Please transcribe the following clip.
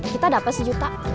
kita dapet satu juta